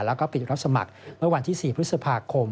แล้วก็ปิดรับสมัครเมื่อวันที่๔พฤษภาคม